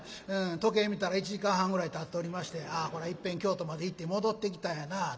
時計見たら１時間半ぐらいたっておりまして「ああこれはいっぺん京都まで行って戻ってきたんやなあ」とね。